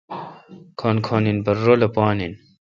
کھن گھن این پرہ رلہ پان این